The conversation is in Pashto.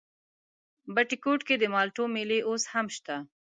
بټي کوټ کې د مالټو مېلې اوس هم شته؟